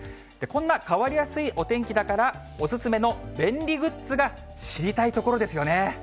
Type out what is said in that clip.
こんな変わりやすいお天気だから、お勧めの便利グッズが知りたいところですよね。